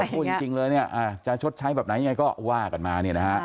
พูดจริงเลยจะชดใช้แบบไหนยังไงก็ว่ากันมา